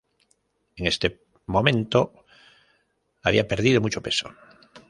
En este momento, había perdido mucho peso.